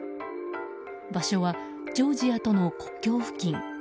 場所はジョージアとの国境付近。